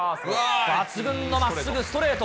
抜群のまっすぐストレート。